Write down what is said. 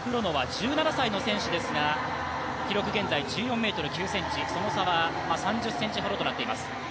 １７歳の選手ですが、記録１４ｍ９ｃｍその差は３０ｃｍほどとなっています。